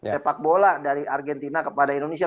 sepak bola dari argentina kepada indonesia